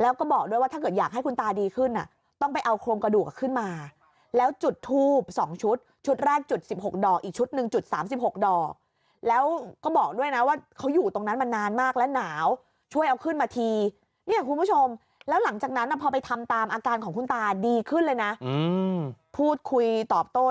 แล้วก็บอกด้วยว่าถ้าเกิดอยากให้คุณตาดีขึ้นน่ะต้องไปเอาโครงกระดูกขึ้นมาแล้วจุดทูบสองชุดชุดแรกจุดสิบหกดอกอีกชุดหนึ่งจุดสามสิบหกดอกแล้วก็บอกด้วยนะว่าเขาอยู่ตรงนั้นมานานมากและหนาวช่วยเอาขึ้นมาทีเนี่ยคุณผู้ชมแล้วหลังจากนั้นน่ะพอไปทำตามอาการของคุณตาดีขึ้นเลยน่ะอืมพูดคุยตอบโต้